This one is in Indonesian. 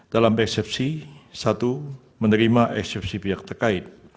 dalam eksepsi satu menerima eksepsi pihak terkait